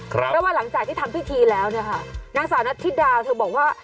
เพราะว่าหลังจากที่ทำพิธีแล้วเนี่ยค่ะนางสาวนัทธิดาเธอบอกว่า